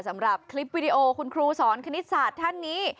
สำหรับคลิปวิดีโอคุณครูสอนคณิตศาสตร์ท่านนี้